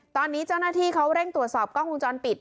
ตอนนี้เจ้าหน้าที่เขาเร่งตรวจสอบกล้องวงจรปิด